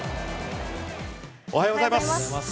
おはようございますます。